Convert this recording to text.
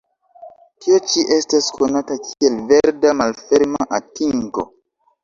Tio ĉi estas konata kiel 'verda' malferma atingo.